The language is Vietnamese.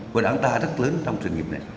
của đảng ta rất lớn trong truyền nghiệp này